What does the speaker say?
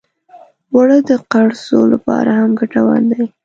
اوړه د قرصو لپاره هم ګټور دي